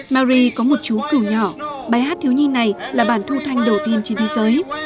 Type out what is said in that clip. mari có một chú cử nhỏ bài hát thiếu nhi này là bản thu thanh đầu tiên trên thế giới